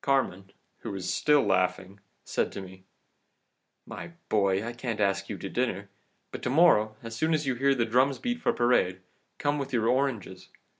Carmen, who was still laughing, said to me: "'My boy, I can't ask you to dinner. But to morrow, as soon as you hear the drums beat for parade, come here with your oranges.